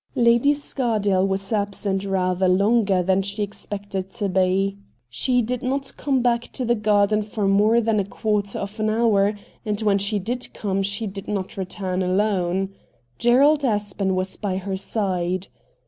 Lady Scardale was absent rather longer than she expected to be. She did not come back to the garden for more than a quarter of an hour, and when she did come she did not return alone. Gerald Aspen was by her side.